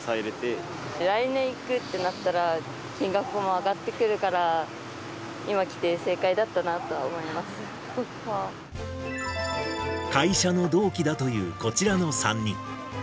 来年行くってなったら、金額も上がってくるから、会社の同期だという、こちらの３人。